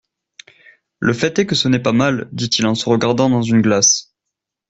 Le fait est que ce n'est pas mal, dit-il en se regardant dans une glace.